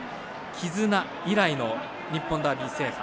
キズナ以来の日本ダービー制覇。